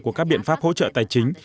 của các biện pháp hỗ trợ tài chính